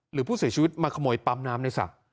หรือผู้เสียชีวิตมาขโมยปั๊มน้ำในสระ